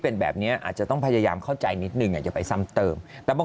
เป็นแบบนี้อาจจะต้องพยายามเข้าใจนิดนึงอย่าไปซ้ำเติมแต่บาง